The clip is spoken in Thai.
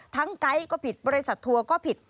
ไกด์ก็ผิดบริษัททัวร์ก็ผิด